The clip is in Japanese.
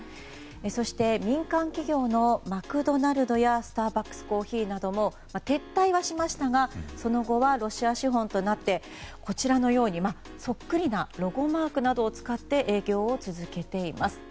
そして、民間企業のマクドナルドやスターバックスコーヒーなども撤退はしましたがその後はロシア資本となってこちらのように、そっくりなロゴマークなどを使って営業を続けています。